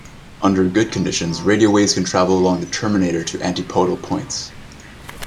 Under good conditions, radio waves can travel along the terminator to antipodal points.